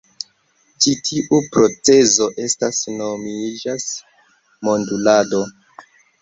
Ĉi tiu procezo estas nomiĝas "modulado.